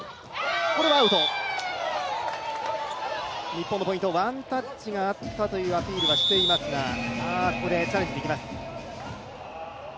日本のポイント、ワンタッチがあったというアピールはしていますがここでチャレンジいきます。